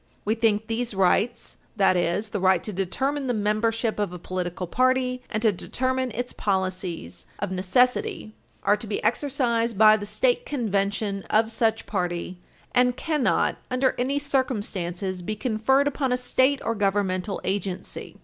We think these rights, that is, the right to determine the membership of a political party and to determine its policies, of necessity are to be exercised by the State Convention of such party, and cannot, under any circumstances, be conferred upon a state or governmental agency."